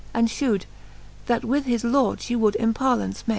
And fhew'd, that with his lord fhe would emparlaunce make.